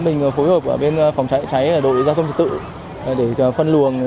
mình phối hợp bên phòng cháy đội giao thông trực tự để phân luồng